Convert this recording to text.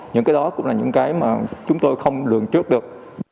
những cái đó cũng là những cái mà chúng tôi không lường trước được